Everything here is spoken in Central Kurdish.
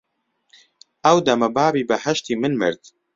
ئەو دەمە بابی بەهەشتی من مرد